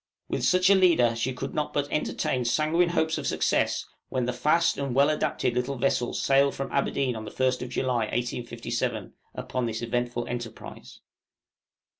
With such a leader she could not but entertain sanguine hopes of success when the fast and well adapted little vessel sailed from Aberdeen on the 1st of July, 1857, upon this eventful enterprise.